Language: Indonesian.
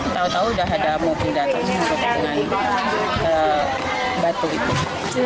tahu tahu sudah ada mobil datang dengan batu itu